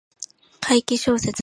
怪奇小説の中で最も素晴らしい